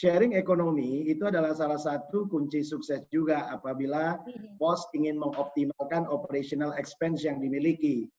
sharing ekonomi itu adalah salah satu kunci sukses juga apabila pos ingin mengoptimalkan operational expense yang dimiliki